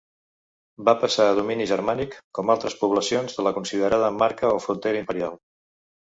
Va passar a domini germànic, com altres poblacions de la considerada marca o frontera imperial.